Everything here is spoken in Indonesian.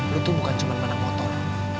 lo tuh bukan cuman menang motor